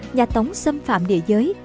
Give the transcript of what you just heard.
nhà tống xâm phạm địa giới